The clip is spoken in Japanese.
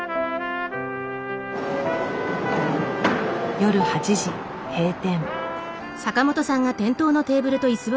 夜８時閉店。